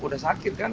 udah sakit kan